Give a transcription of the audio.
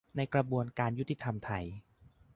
ในกระบวนการยุติธรรมไทย